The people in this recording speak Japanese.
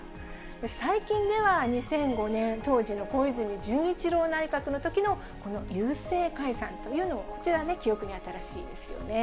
最近では２００５年、当時の小泉純一郎内閣のときの、この郵政解散というのも、こちらね、記憶に新しいですよね。